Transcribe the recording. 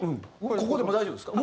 ここでも大丈夫ですか？